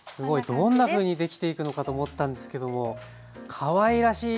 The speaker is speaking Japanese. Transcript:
どんなふうにできていくのかと思ったんですけどもかわいらしい！